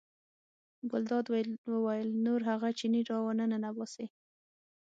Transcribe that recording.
ګلداد وویل نور هغه چینی را ونه ننباسئ.